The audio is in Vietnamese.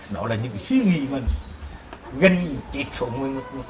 đó là những suy nghĩ mà gần chịt số một mươi một con đứa